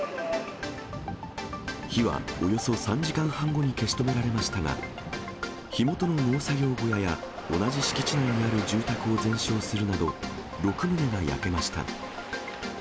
火はおよそ３時間半後に消し止められましたが、火元の農作業小屋や同じ敷地内にある住宅を全焼するなど、６棟が焼けました。